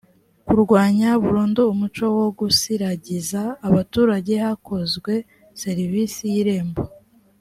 kurwanya burundu umuco wo gusiragiza abaturage hakozwe serivisi y’irembo .